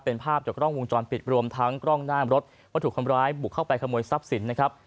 เป็นภาพจากกล้องวงจรปิดรวมทั้งกล้องหน้ารถว่าถูกคนร้ายบุกเข้าไปขโมยทรัพย์สินนะครับ